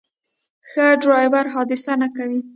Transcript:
ښه ډرایور حادثه نه کوي.